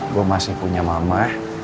gue masih punya mama